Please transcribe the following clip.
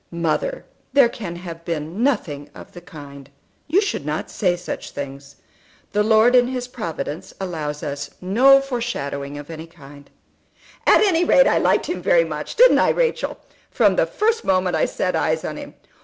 "Mother, there can have been nothing of the kind. You should not say such things. The Lord in his providence allows us no foreshadowing of that kind." "At any rate I liked him very much; didn't I, Rachel? from the first moment I set eyes on him.